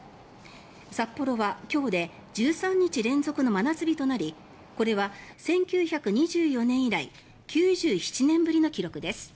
札幌は今日で１３日連続の真夏日となりこれは１９２４年以来９７年ぶりの記録です。